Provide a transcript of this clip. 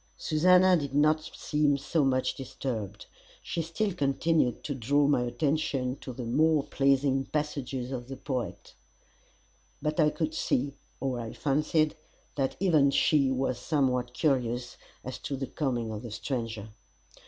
Susannah did not seem so much disturbed, she still continued to draw my attention to the more pleasing passages of the poet; but I could see, or I fancied, that even she was somewhat curious as to the coming of the stranger.